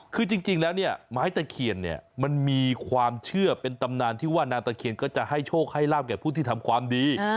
คือจริงแล้วเนี่ยไม้ตะเคียนเนี่ยมันมีความเชื่อเป็นตำนานที่ว่านางตะเคียนก็จะให้โชคให้ลาบแก่ผู้ที่ทำความดี